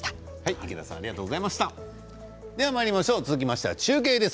では続きまして中継です。